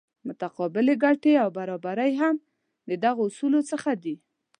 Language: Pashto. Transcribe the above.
متقابلې ګټې او برابري هم د دغو اصولو څخه دي.